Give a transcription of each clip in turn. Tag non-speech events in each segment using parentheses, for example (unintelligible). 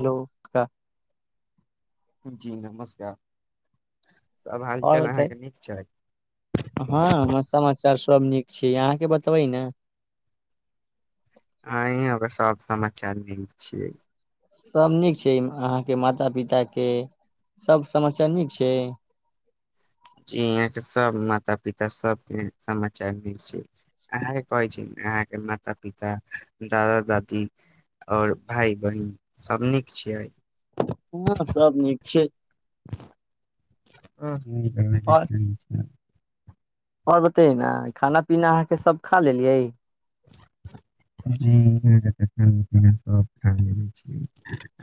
Hello जी नमस्कार सब आओर हालचाल बताय अहाँके नीक छै हँ हमरा समाचार सब नीक छै अहाँके बतबै ने अहिं हमर सब समाचार नीक छियै सब नीक छै अहाँ के माता पिता के सब समस्या नीक छै जी यहाँ के सब माता पिता सब के समाचार नीक छै अहाँ के कहै छी अहाँके माता पिता दादा दादी आओर भाय बहिन सब नीक छियै हुंओ सब नीक छियै आओर (inaudible) आओर बतैयै ने खाना पीना अहाँके सब खा लेलियै (inaudible) जी (unintelligible) खाना पीना सब खा लेले छियै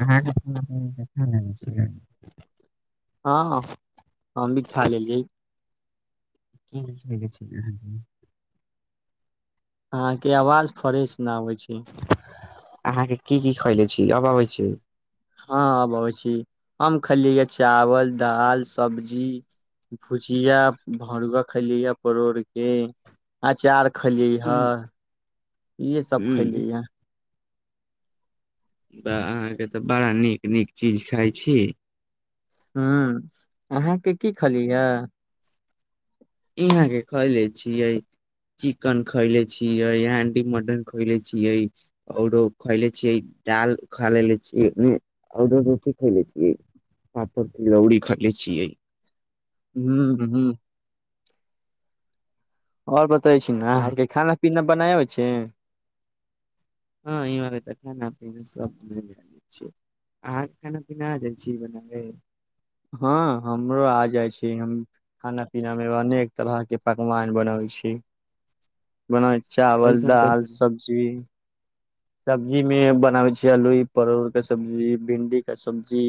अहाँके (unintelligible) हँ हम भी खा लेलियै की क (unintelligible) छै ने अहाँंके आवाज फ्रेश न आबै छै अहाँके की की खैले छी अब अबै छै हँ अब अबै छी हम खेलियै य चावल दाल सब्जी भुजिया भरुआ खैलिय परोरके अँचार खलियै ह इहे सब खेलियै य अहाँके तऽ बड़ा नीक नीक चीज खाइत छी हूंम्म अहाँके की खलीयै ह इहाँ के खैले छियै चिकन खैले छियै हांडी मटन खैले छियै आओरो खैले छियै दाल खा लेले छियै आओरो रोटी खैले छियै पापड़ तिलौड़ी खैले छीयै हूंम्म हूंम्म आओर बताबै छी ने आओर अहाँके खाना पीना बनाबै छै हँ ई वर (unintelligible) तऽ खाना पीना सब छियै अहाँके खाना पीना आ जाइ छी बनाबे हँ हमरो आ जाइ छी हम खाना पीना मे अनेक तरह के पकवान बनबै छी बना चावल कैसन दाल कैसन सब्जी सब्जीमे बनाबे छियै आलूइ परोर के सब्जी भिंडी के सब्जी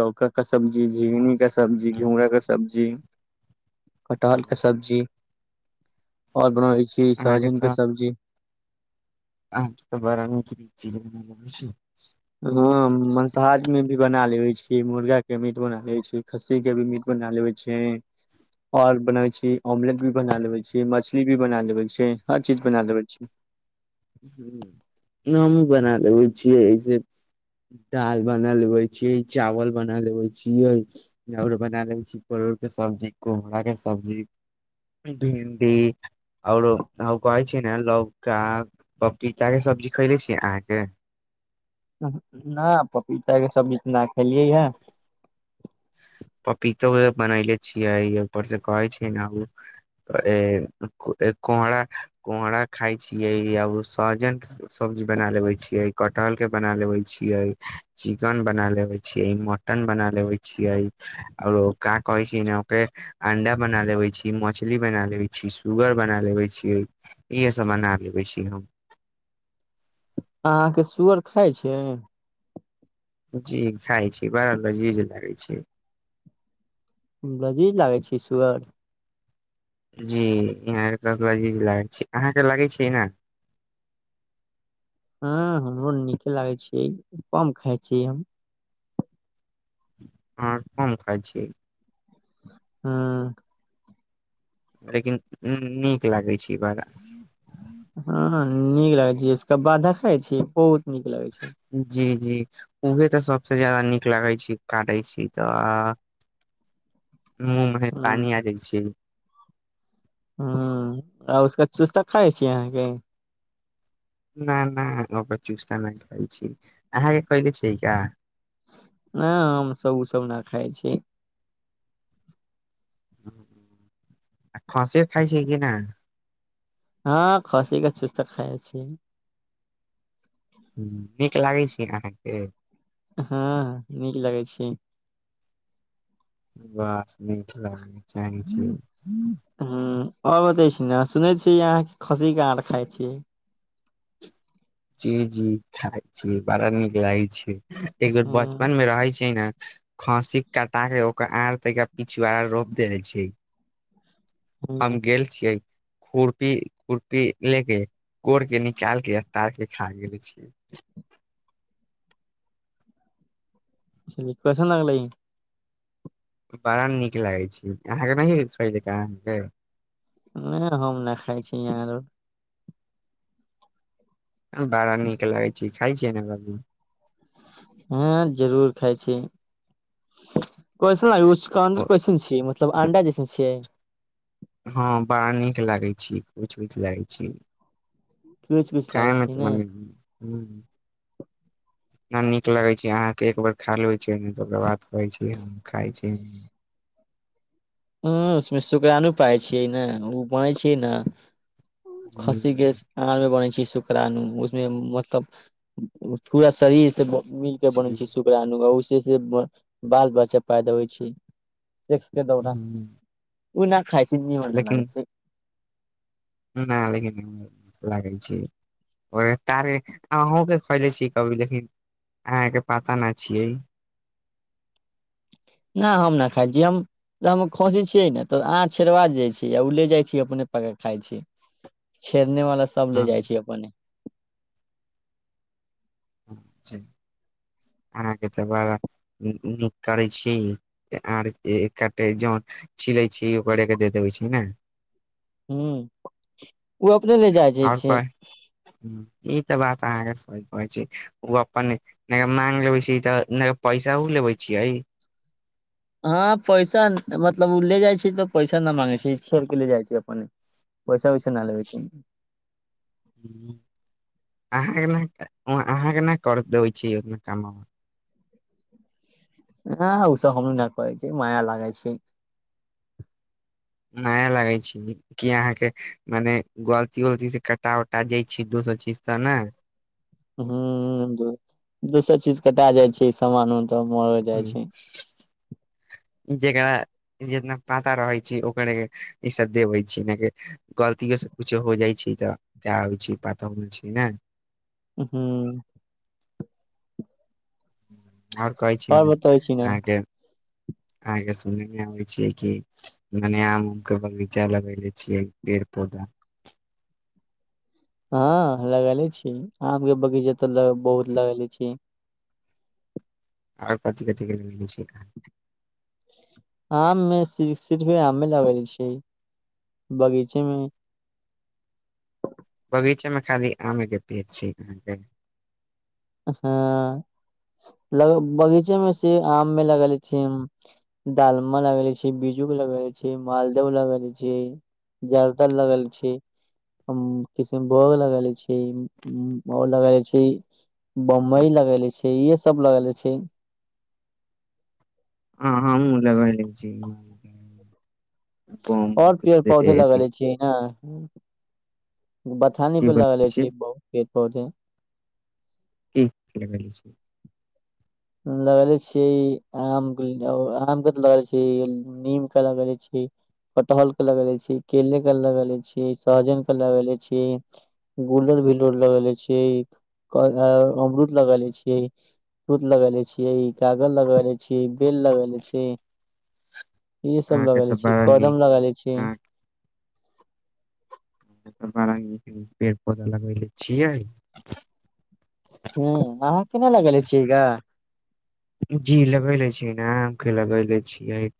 लौकी की सब्जी झीनी के सब्जी, घींगरा के सब्जी, कटहल के सब्जी। आओर बनबै छी अहाँके सहजन के सब्जी। आ तऽ बड़ नीक चीज छै। हँ, मांसाहार में भी बना ले छी। मुर्गा के मीट बना ले छी, खस्सी के भी मीट बना लेवे छी। छै। आओर बनबै छी, ऑमलेट भी बना लेवे छी, मछली भी बना लेवे छी, हर चीज बना लेवे छी। हँ, हमहुँ बना देबै छियै से। दाल बना लेबे छियै, चावल बना लेबे छियै। आओर बना ले छी, परवल के सब्जी, कोहड़ा के सब्जी। भिंडी आओर आ कहै छै ने, लगा। पपीता के सब्जी खयले छीयै अहाँके? नहि, पपीता के सब्जी नहि खेलियै हे। पपीता बना ले छियै, पर से कहै छै ने। तऽ ई कहरा? कोहड़ा खाय छी, आब सहजन के सब्जी बना लेवे छियै, कटहल के बना लेवे छियै। चिकन बना लेबे छियै, मटन बना लेबे छियै। आओर की कहै छै ने, ओके अंडा बना लेबे छी, मछली बना ले छी। छी, सुगर बना लेबे छियै, इहे सब बना लेबे छी हम। अहाँके सुअर खाइ छै? जी, खाय छी, बड़ा नीक लागै छै। बड़ नीक लागै छै सुअर। जी, यहाँ अहाँके लागै छै ने? हँ, हमरो नीके लागै छै, कम खाय छी हम। हँ, कम खाइ छी। हँ। लेकिन नीक लागै छै बड़। हँ, नीक लगै छै, एकरा देखै छी तऽ बहुत नीक लगै छै। जी जी, उहे तऽ सभसँ ज्यादा नीक लगै छै, काटै छी तऽ। (inaudible) मुँह मे पानी हँ आ जाइ छै। हँ, आ ओकर चुस्टा खाइ छी अहाँके? नहि, ओकर चुस्टा नहि खाइ छी। अहाँके कहले छै का? नहि, हमसब ओ सभ नहि खाइ छी। खसी खाइ छै कि नहि? हँ, खसी के चुस्सा तऽ खाइ छी। नीक लगै छै अहाँके? हँ, नीक लगै छै। बस, नीक लागै चाही। हँ, आओर बताबी छी ने, सुनै छी अहाँ? खस्सी के आओर खाय छी? जी जी, खाइ छी, बड़ नीक लागै छै। एक बेर हुँ, बचपन मे रहै छै ने। खाँसी कटा के ओकरा आर पिछवाड़ा रोप देल छै। हम हुँ, गेल छियै, खुरपी-खुरपी ले के कोर के निकाल के। तऽ की खा गेलने छियै? कइसन लागलै? बड़ नीक लागै छै, अहाँके नहि? खरीदके अहाँके? नहि, हम नहि खाइ छी, अहाँ दौड़। बड़ नीक लगै छै, खाइ छी ने की? हँ, जरूर खाय छी। कइसन उच अन्दर कइसन छियै मतलब अंडा जैसन छियै हँ बड़ा नीक लागैत छियै कुछ उछ लागैत छी कुछ कुछ काय लागे नहि छै त ने (unintelligible) हु ना नीक लगै छै अहाँ के एक ब। र खा लेै छ ओकर बाद कहै छै खाय छी हु उसमे सुकड़ानो पाय छियै ने ओ बनै छै ने जी खस्सी गौस आर मे बनै छै शुक्रणु उसमे मतलब पूरा शरीर से मिल के बनै जी छै शुक्रणु उसे से बाल बच्चा पैदा होबे छै के दौरान (inaudible) ओ नहि खाइ छै निमन ना लागै छै नहि लेकिन नीक लागै छै (inaudible) तारे अहहुँके छियै कभी लेकिन अहाँके पता नहि छियै न हम न खाइ छीयै हम तऽ हम खोसी छियै ने तऽ अहाँ छेड़वा जाइ छीयै ओ ले जाइ छी अपने पाक खाइ छी छेड़ने वाला सब ले हँ जाइ छै अपने अहाँके तऽ बड़ा नीक करै छीयै आर एके जन छिलै छी ओकरेके दे देबै छै ने। हु ओ अपने ले जाय जा छै ह ई तऽ बात अहाँ सहि कहै छीयै ओ अपन न माग ले छै तऽ पैसा उ लेबे छिये हँ पैसा मतलब ओ ले जाइ छै तऽ पैसा न मांगे छै छोड़ के ले जाइ छी अपने पैसा वैसा नहि लेगै छै। अहाँ के अहाँ के नहि कर देबै छीये काम हँ ओसभ हम नहि कहै छी माया लगे छै नया लगै छै की अहाँ के मने गलती वलती से कटा कटा जाइ छी दोसर चीज तऽ ने हु दोसर चीज कटा जाय छै सामान मऽ तऽ जाइ हु छै जेकरा जितना पाता रहै छै ओकरे ई सब देबै छै के गलतीयो से कुछो हो जाइ छै तऽ क होइ छै पतो नहि छै ने हू ओर कहै छी आओर ने बतबै छी ने अहाँके अहाँ के सुनने मे आबे छीै कि नने आम उम के बगीचा लगेेले छीयै पेड़ पौधा हँ लगेले छी आम के बगीचा त बहुत लगेले छी आर कथ कथिक (unintelligible) छी आम मे सिर्फ आमे लगले छै बगीचे मे बगीचे मे खाली आमे के परे छै अहाँके। हँ बगीचे मे से आम मे लगल छी दडालमा लगले छी बीजू लगेे छी मालदह लगले छी जर्दल लगल अछि हम्म किसनभोग लगले छी और लगेले छी बम्बई लगले छै इे सब लगले छै हँ हमहूँ लगैले छी। आओर पेर पौधे अथि लगेले छियै ने बथाने की पे बोलै लगले छी बहुत पेड़ पौधे ठीक छै (inaudible) लगले छियै आम के आम के तऽ लगे छी नीम क लगल छै कटहल के लगल छी केले के लगल छी सहजन के लगल छी गुलर भिलो लग ले छिय अमरूद लगेले छीयै लगल छियै कागज लगल छीयै बेल लगले छीयै इहे सब अहाँके तऽ लगैले छियै बड़ा नीक कदम लगैले छियै अहाँ बड़ा नीक नीक पेड़ पौधा लगैले छियै। हूंम्म अहाँ के नै लगेले छियैगा जी लगैले छियै न आम के लगैले छियै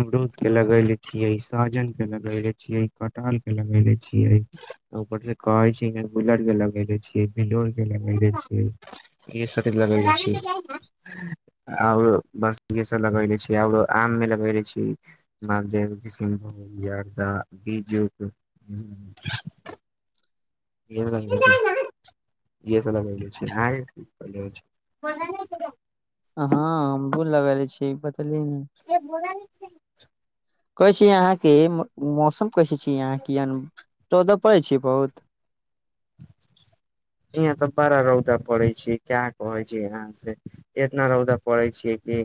अमरूद के लगैले छियै सहजन के लगैले छियै कटहल के लगैले छियै उपर से कहै छियै गुलर के लगैले छियै बिलोर के लगैले छियै इहे सबटिक छियै आओर बस इहे सब लगैले छियै आओरो आममे लगैले छियै मालदेव किशीनभोग यरदा बीजुके (unintelligible) हँ हमहूँ लगैले छियै बतेलियै ने से बोलल छै। कहै छियै अहाँके मौसम कैसे छी अहाँके अन रौदा पड़ै छी बहुत (inaudible) यहाँ तऽ बड़ा रौदा पड़े छै क्या कहे छै यहाँ से एतना रौदा पड़ै छियै की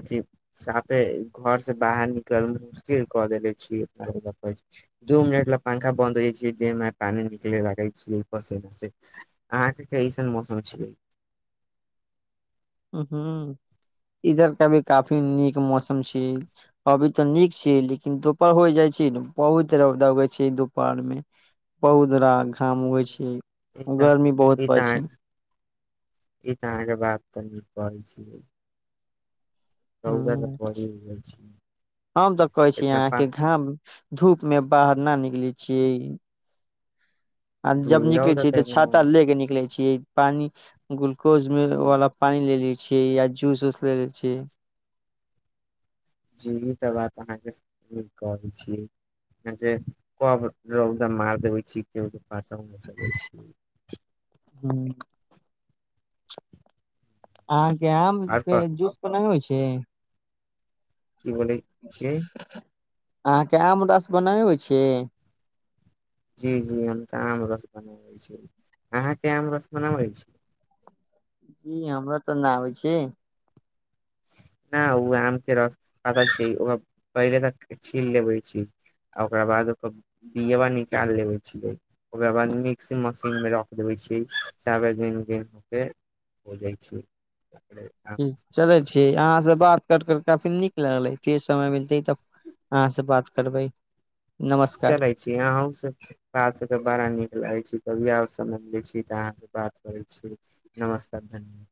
अथी साफे घर से बाहर निकल मुश्किल कऽ देले छियै दू मिनट ला पंखा बन्द होइ छै देहमे पानी निकले लगै छियै पसीना से अहाँ के कइसन मौसम छियै हूंम्म इधर तऽ अभी काफी नीक मौसम छियै अभी तऽ नीक छियै लेकिन दुपहर हो जाइ छै ने बहुत रौदा उगै छियै दुपहरमे बहुत रा घाम उगए छै ई तऽ गर्मी बहुत पड़ छै ई तऽ अहाँ के बात तऽ नीक कहै छियै रौदा तऽ हूंम्म बड़ी उगै छै हम तऽ कहै छियै इतना पा अहाँके घाम धूप मे बाहर न निकले छियै आ जी जब निकले रौदा छियै तऽ इतना छाता ले के निकले छियै पानी ग्लूकोज जी वाला पानी ले लै छियै या जूस उस ले लै छियै जी ई तऽ बात अहाँके नीक कहै छी जे कब रौदा मार देबे छी के पता न चलै छी हूंम्म अहाँके आम आर के कह जूस (unintelligible) होइ छै की बोलै छियै अहाँके आम रस बनाबे अबै छियै जी जी हम तऽ आम रस बनाबै छियै अहाँके आम रस बनाबै छी जी हमरा तऽ न आबै छियै नहि ओ आम के रस पल छै ओ पहिले तक छील लेबे छै आ ओकरा बाद ओकर बियबा निकाल लेबे छियै ओकरा बाद मिक्स मशीनमे रख देबै छियै (unintelligible) बुनि बुनिऽ के हो जाइ छियै चलै छिय अहाँ से बात कर कर काफी नीक लगलै फेर समय मिलतै तऽ अहाँ से बात करबै नमस्कार (unintelligible) बात सबके बड़ा नीक लागै छी कभी और समय मिलै छी तऽ अहाँसँ बात करै छी नमस्कार धन्यवाद